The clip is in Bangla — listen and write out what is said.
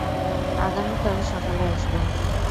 আগামীকাল সকালে আসবো।